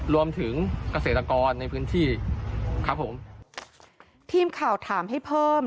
รวมถึงเกษตรกรในพื้นที่ครับผมทีมข่าวถามให้เพิ่ม